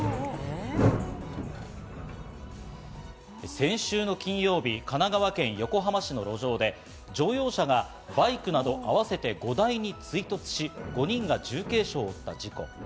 先週の金曜日、神奈川県横浜市の路上で乗用車がバイクなど合わせて５台に追突し、５人が重軽傷を負った事故。